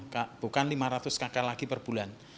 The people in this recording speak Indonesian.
kita sudah lakukan lima ratus kk lagi perbulan